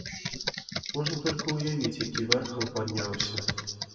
Можна толькі ўявіць, які вэрхал падняўся.